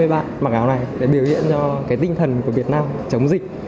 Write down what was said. ba mươi bạn mặc áo này để biểu hiện cho tinh thần của việt nam chống dịch